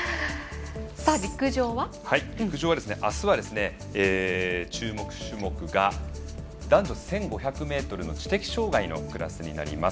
陸上は、あすは注目種目が男女１５００ｍの知的障がいのクラスになります。